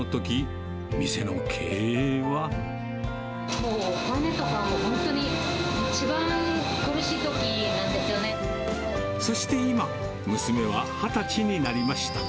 もうお金とか、本当に一番苦そして今、娘は２０歳になりました。